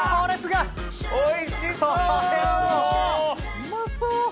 うまそう！